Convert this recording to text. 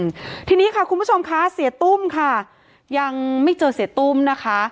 อืมทีนี้ค่ะคุณผู้ชมคะเสียตุ้มค่ะยังไม่เจอเสียตุ้มนะคะ